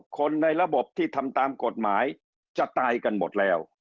คนในระบบที่ทำตามกฎหมายจะตายกันหมดแล้ว